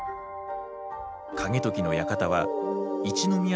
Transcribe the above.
景時の館は一之宮